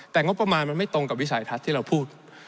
แต่งบประมาณมันไม่ตรงกับวิสัยทัศน์ที่เราพูด